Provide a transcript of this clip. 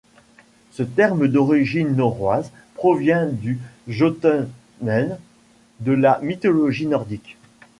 Ce terme d'origine norroise provient du Jötunheimr de la mythologie nordique.